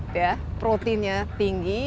ya proteinnya tinggi